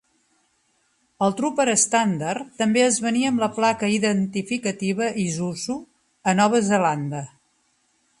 El Trooper estàndard també es venia amb la placa identificativa Isuzu a Nova Zelanda.